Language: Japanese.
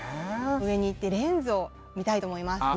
上に行ってレンズを見たいと思います。